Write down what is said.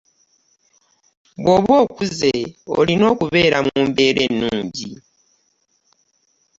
Bwoba okuze olina okubeera mu mbeera ennungi.